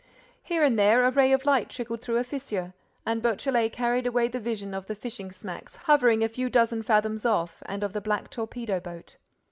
Here and there, a ray of light trickled through a fissure; and Beautrelet carried away the vision of the fishing smacks hovering a few dozen fathoms off, and of the black torpedo boat.